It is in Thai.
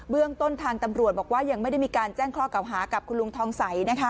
เรื่องต้นทางตำรวจบอกว่ายังไม่ได้มีการแจ้งข้อเก่าหากับคุณลุงทองใส